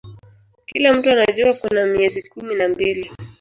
Kila mtu anajua kuna miezi kumi na mbili